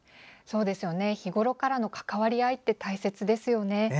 日ごろからの関わり合いって大切ですよね。